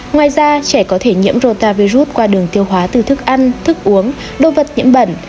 ngoài ra trẻ có thể nhiễm rota virus qua đường tiêu hóa từ thức ăn thức uống đồ vật nhiễm bẩn